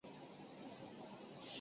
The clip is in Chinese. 拉鲁奥迪埃。